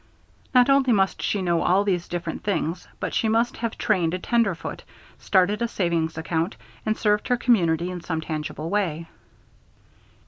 Not only must she know all these different things, but she must have trained a tenderfoot, started a savings account, and served her community in some tangible way.